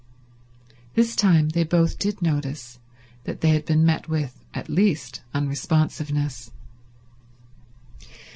This time they both did notice that they had been met with, at least, unresponsiveness.